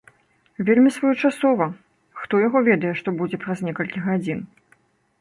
Вельмі своечасова, хто яго ведае, што будзе праз некалькі гадзін.